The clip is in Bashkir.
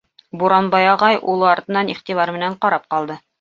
Буранбай ағай улы артынан иғтибар менән ҡарап ҡалды.